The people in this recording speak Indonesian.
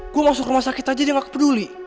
gue masuk rumah sakit aja dia gak peduli